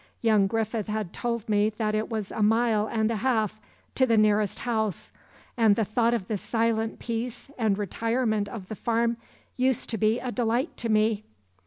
Young Griffith had told me that it was a mile and a half to the nearest house, and the thought of the silent peace and retirement of the farm used to be a delight to me.